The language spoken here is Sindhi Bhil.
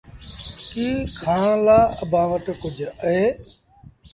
ڪيٚ کآڻ لآ اڀآنٚ وٽ ڪجھ اهي؟